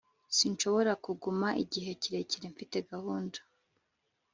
sinshobora kuguma igihe kirekire. mfite gahunda